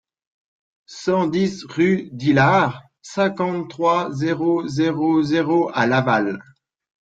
cent dix rue d'Hilard, cinquante-trois, zéro zéro zéro à Laval